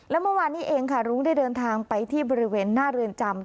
และเมื่อวานนี้เองค่ะรุ้งได้เดินทางไปที่บริเวณหน้าเรือนจำ